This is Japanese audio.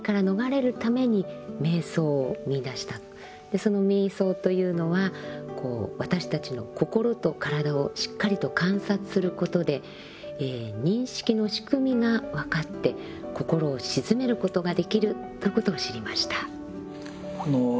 その瞑想というのは私たちの心と体をしっかりと観察することで認識の仕組みが分かって心を静めることができるということを知りました。